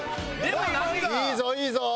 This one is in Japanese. いいぞいいぞ。